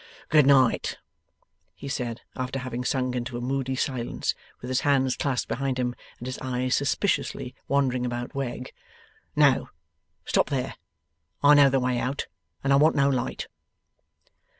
'Good night,' he said, after having sunk into a moody silence, with his hands clasped behind him, and his eyes suspiciously wandering about Wegg. 'No! stop there. I know the way out, and I want no light.